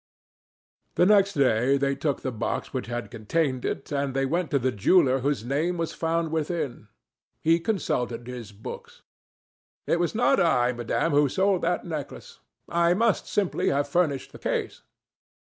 The next day they took the box which had contained it, and they went to the jeweler whose name was found within. He consulted his books. "It was not I, madame, who sold that necklace; I must simply have furnished the case."